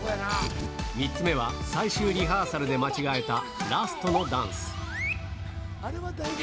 ３つ目は、最終リハーサルで間違えたラストのダンス。